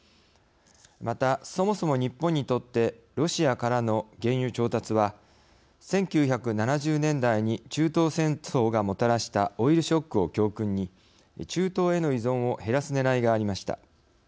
また、そもそも日本にとってロシアからの原油調達は１９７０年代に中東戦争がもたらしたオイルショックを教訓に中東への依存を減らすねらいがありました。